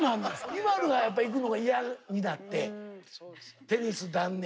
ＩＭＡＬＵが行くのが嫌になってテニス断念。